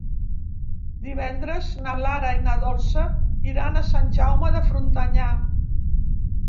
Divendres na Lara i na Dolça iran a Sant Jaume de Frontanyà.